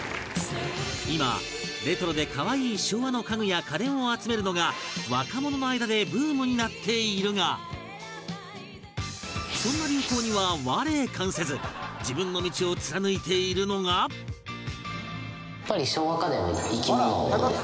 今、レトロで可愛い昭和の家具や家電を集めるのが若者の間でブームになっているがそんな流行には、我関せず自分の道を貫いているのがやっぱり昭和家電は生き物です。